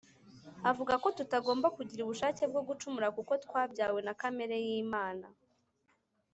havuga ko tutagomba kugira ubushake bwo gucumura kuko twabyawe na kamere y'Imana.